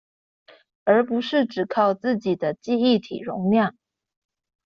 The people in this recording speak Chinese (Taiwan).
而不是只靠自己的記憶體容量